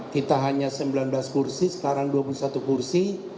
kita hanya sembilan belas kursi sekarang dua puluh satu kursi